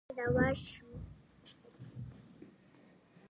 کډوال هم کار کوي.